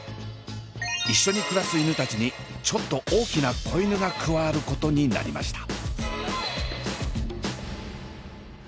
一緒に暮らす犬たちにちょっと大きな子犬が加わることになりました。